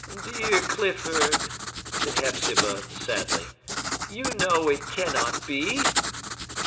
"Dear Clifford," said Hepzibah sadly, "you know it cannot be!"